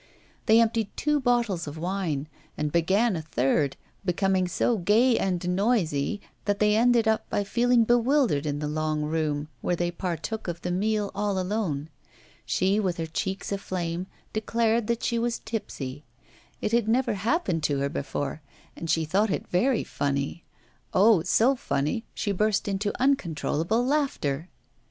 They emptied two bottles of wine, and began a third, becoming so gay and noisy that they ended by feeling bewildered in the long room, where they partook of the meal all alone. She, with her cheeks aflame, declared that she was tipsy; it had never happened to her before, and she thought it very funny. Oh! so funny, and she burst into uncontrollable laughter.